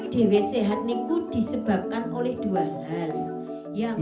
dewi sehat ini disebabkan oleh dua hal